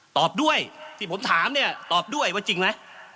ตอบด้วยที่ผมถามเนี่ยตอบด้วยว่าจริงไหม